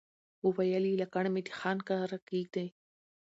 وويل يې لکڼه مې د خان کړه کېږدئ.